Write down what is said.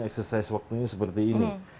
eksersis waktunya seperti ini